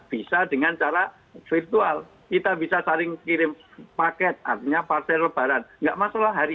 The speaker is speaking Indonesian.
bisa dengan cara virtual kita bisa saling kirim paket artinya parkir lebaran enggak masalah hari